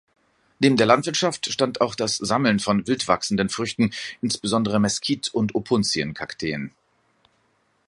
Neben der Landwirtschaft stand auch das Sammeln von wildwachsenden Früchten, insbesondere Mesquite und Opuntien-Kakteen.